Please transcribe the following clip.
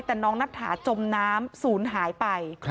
แต่น้องนัทถาจมน้ำศูนย์หายไป